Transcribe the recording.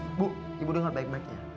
ibu ibu dengar baik baiknya